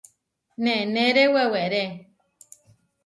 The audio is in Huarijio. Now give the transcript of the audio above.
Neneré weweré.